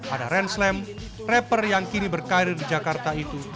ada renslem rapper yang kini berkarir di jakarta itu